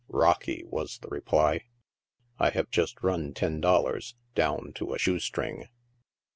" Rocky," was the reply ;" I have just run ten dollars down to a shoe string."